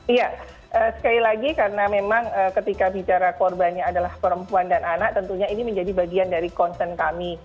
iya sekali lagi karena memang ketika bicara korbannya adalah perempuan dan anak tentunya ini menjadi bagian dari concern kami